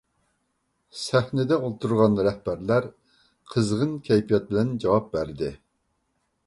سەھنىدە ئولتۇرغان رەھبەرلەر قىزغىن كەيپىيات بىلەن جاۋاب بەردى.